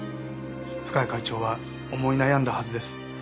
深谷会長は思い悩んだはずです。